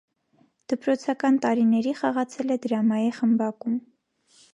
Դպրոցական տարիների խաղացել է դրամայի խմբակում։